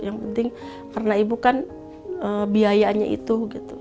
yang penting karena ibu kan biayanya itu